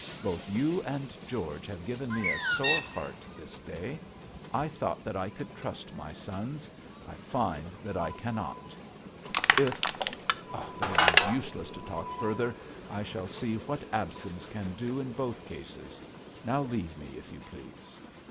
Both you and George have given me a sore heart this day. I thought that I could trust my sons; I find that I cannot. If But it is useless to talk further. I shall see what absence can do in both cases. Now leave me, if you please.'